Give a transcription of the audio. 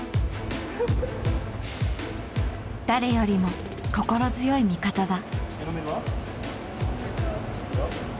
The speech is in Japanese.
誰よりも心強い味方だ。